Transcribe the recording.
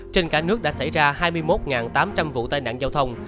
trên cả nước đã xảy ra hai mươi một tám trăm linh vụ tai nạn giao thông